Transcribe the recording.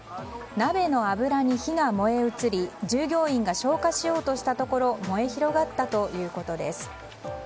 鍋の油に火が燃え移り従業員が消火しようとしたところ燃え広がったということです。